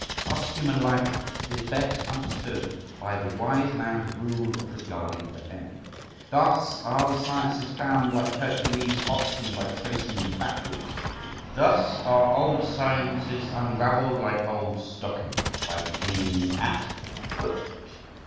Thus human life is best understood by the wise man's rule of regarding the end. Thus are the sciences found, like Hercules' oxen, by tracing them backwards. Thus are old sciences unravelled like old stockings, by beginning at the foot.